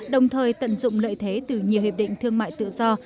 đồng thời tận dụng lợi thế từ nhiều hiệp định thương mại tự do